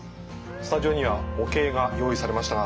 スタジオには模型が用意されましたが。